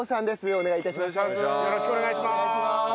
お願いします！